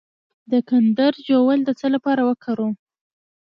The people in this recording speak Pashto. د کندر ژوول د څه لپاره وکاروم؟